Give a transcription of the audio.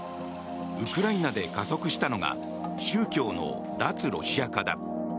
ウクライナで加速したのが宗教の脱ロシア化だ。